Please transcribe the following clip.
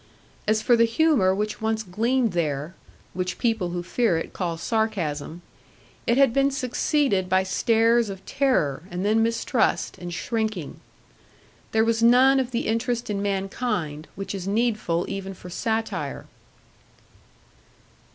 As for the humour which once gleamed there (which people who fear it call sarcasm) it had been succeeded by stares of terror, and then mistrust, and shrinking. There was none of the interest in mankind, which is needful even for satire.